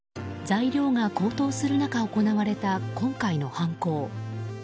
材料が高騰する中、行われた今回の犯行。